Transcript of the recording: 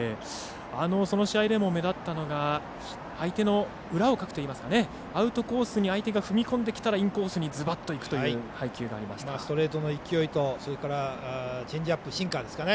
その試合でも目立ったのが相手の裏をかくといいますかアウトコースに相手が踏み込んできたらインコースにズバッといくストレートの勢いとそれから、チェンジアップシンカーですかね。